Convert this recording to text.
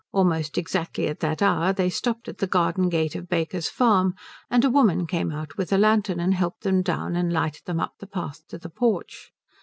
Almost exactly at that hour they stopped at the garden gate of Baker's Farm, and a woman came out with a lantern and helped them down and lighted them up the path to the porch.